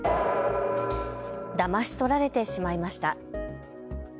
だまし取られてしまいました。